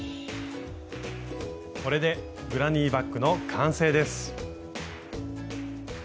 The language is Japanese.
これでグラニーバッグの完成です。